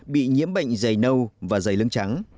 bị nhiễm bệnh dày nâu và dày lưng trắng